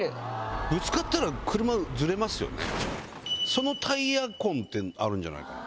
そのタイヤ痕ってあるんじゃないかな。